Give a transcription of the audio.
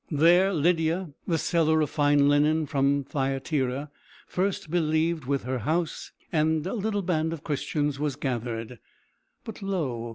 There Lydia, the seller of fine linen from Thyatira, first believed with her house, and a little band of Christians was gathered. But lo!